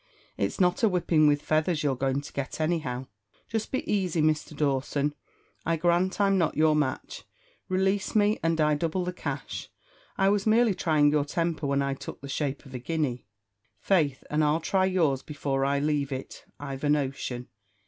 It's not a whipping with feathers you're going to get, anyhow. Just be aisey." "Mr. Dawson, I grant I'm not your match. Release me, and I double the cash. I was merely trying your temper when I took the shape of a guinea." "Faith and I'll try yours before I lave it, I've a notion."